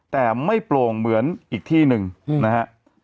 แต่ไม่โปร่งเหมือนอีกที่หนึ่งนะฮะ